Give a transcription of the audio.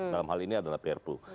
dalam hal ini adalah prpu